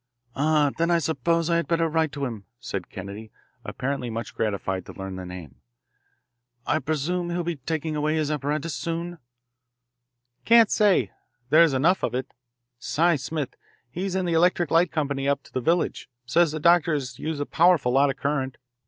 "Ah, then I suppose I had better write to him," said Kennedy, apparently much gratified to learn the name. "I presume he'll be taking away his apparatus soon?" "Can't say. There's enough of it. Cy Smith he's in the electric light company up to the village says the doctor has used a powerful lot of current.